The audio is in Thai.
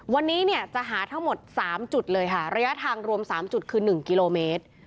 วันนี้เนี่ยจะหาทั้งหมด๓จุดเลยค่ะระยะทางรวม๓จุดคือ๑กิโลเมตร